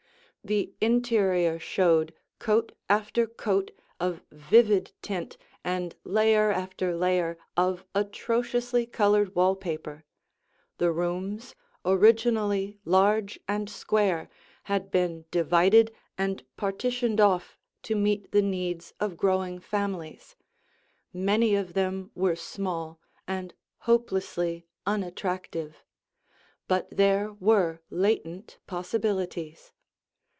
The interior showed coat after coat of vivid tint and layer after layer of atrociously colored wall paper. The rooms, originally large and square, had been divided and partitioned off to meet the needs of growing families; many of them were small and hopelessly unattractive. But there were latent possibilities.